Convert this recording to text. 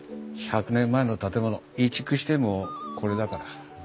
１００年前の建物移築してもこれだから。